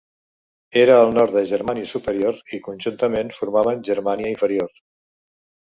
Era al nord de Germània Superior i, conjuntament, formaven Germània Inferior.